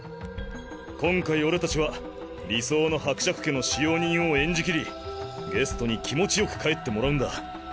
今回俺たちは理想の伯爵家の使用人を演じきりゲストに気持ちよく帰ってもらうんだ。